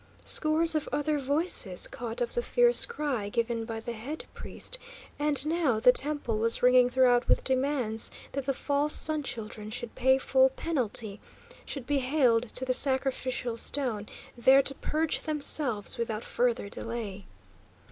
Scores of other voices caught up the fierce cry given by the head priest, and now the temple was ringing throughout with demands that the false Sun Children should pay full penalty, should be haled to the sacrificial stone, there to purge themselves without further delay!